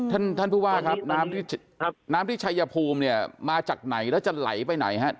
ท่านท่านผู้ว่าครับน้ำที่น้ำที่ชัยภูมิเนี่ยมาจากไหนแล้วจะไหลไปไหนฮะ